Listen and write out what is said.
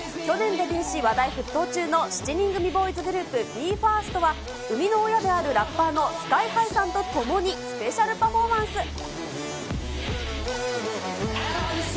去年デビューし、話題沸騰中の７人組ボーイズグループ、ＢＥ：ＦＩＲＳＴは生みの親であるラッパーのスカイハイさんと共に、スペシャルパフォーマンス。